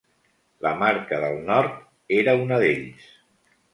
La Marca del Nord era una d'ells.